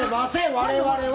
我々は！